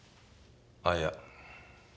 あっいや。